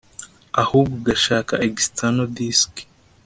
ahubwo ugashaka “external disk”